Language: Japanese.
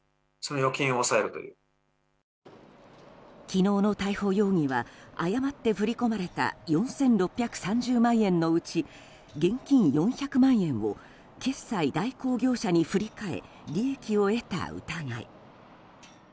昨日の逮捕容疑は誤って振り込まれた４６３０万円のうち現金４００万円を決済代行業者に振り替え利益を得た疑い。